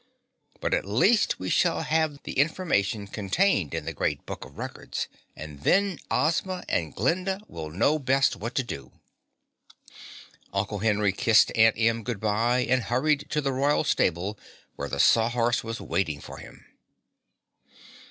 But at least we shall have the information contained in the Great Book of Records, and then Ozma and Glinda will know best what to do." Uncle Henry kissed Aunt Em good bye and hurried to the Royal Stable where the Sawhorse was waiting for him.